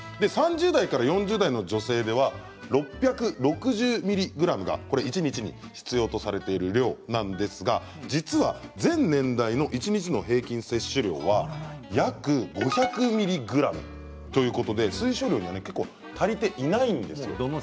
３０代から４０代の女性では６６０ｍｇが一日に必要とされている量なんですが実は全年代の一日の平均摂取量は約５００ｍｇということで推奨量には結構足りていないんですね。